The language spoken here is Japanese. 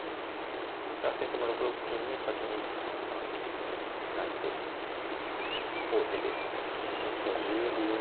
先手も６六金に先に３三桂成と王手で金を取るかもしれません。